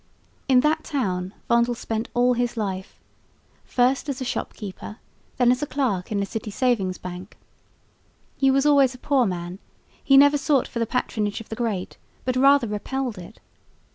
In that town Vondel spent all his life, first as a shopkeeper, then as a clerk in the City Savings' Bank. He was always a poor man; he never sought for the patronage of the great, but rather repelled it.